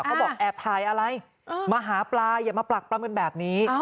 เขาบอกแอบถ่ายอะไรมาหาปลาอย่ามาปรักปลามันแบบนี้